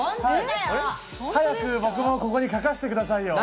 早く僕もここに書かしてくださいよ。